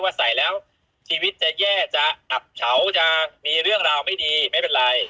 ใส่แล้วชีวิตจะแย่จะอับเฉาจะมีเรื่องราวไม่ดีไม่เป็นไร